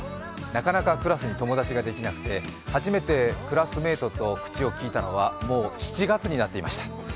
なかなかクラスに友達ができなくて、初めてクラスメートと口をきいたのは、もう７月になっていました。